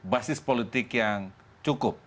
basis politik yang cukup